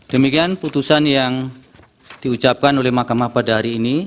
demikian putusan yang diucapkan oleh mahkamah pada hari ini